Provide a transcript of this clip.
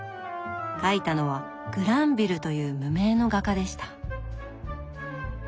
描いたのはグランヴィルという無名の画家でした。